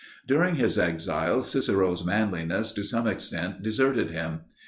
During his exile Cicero's manliness to some extent deserted him.